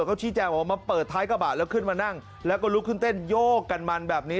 เขาชี้แจงบอกว่ามาเปิดท้ายกระบะแล้วขึ้นมานั่งแล้วก็ลุกขึ้นเต้นโยกกันมันแบบนี้